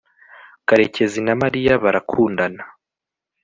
karekezi na mariya barakundana